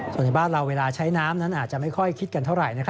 ส่วนในบ้านเราเวลาใช้น้ำนั้นอาจจะไม่ค่อยคิดกันเท่าไหร่